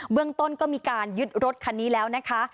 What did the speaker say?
เรื่องต้นก็มีการยึดรถคันนี้แล้วนะคะ